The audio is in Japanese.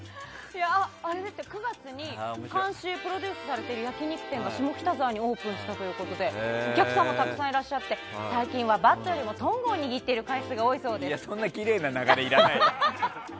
９月に監修、プロデュースされている焼き肉店が下北沢にオープンしたということでお客さんもたくさんいらっしゃって最近はバットよりトングを握るそんなきれいな流れいらないよ。